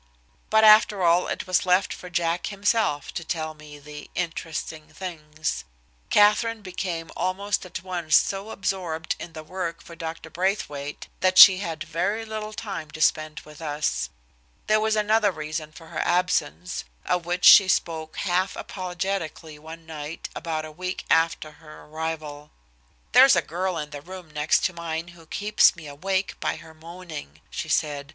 But, after all, it was left for Jack himself to tell me the "interesting things." Katherine became almost at once so absorbed in the work for Dr. Braithwaite that she had very little time to spend with us. There was another reason for her absence, of which she spoke half apologetically one night, about a week after her arrival. "There's a girl in the room next mine who keeps me awake by her moaning," she said.